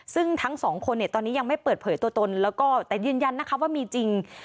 ซึ่งทั้งสองคนเนี่ยตอนนี้ยังไม่เปิดเผยตัวตนแล้วก็แต่ยืนยันนะคะว่ามีจริง